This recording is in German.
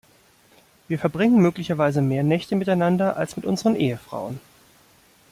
Wir verbringen möglicherweise mehr Nächte miteinander als mit unseren Ehefrauen.